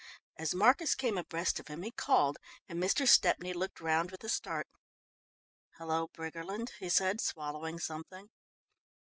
As Marcus came abreast of him he called and Mr. Stepney looked round with a start. "Hello, Briggerland," he said, swallowing something.